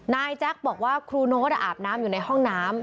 แจ๊คบอกว่าครูโน๊ตอาบน้ำอยู่ในห้องน้ำ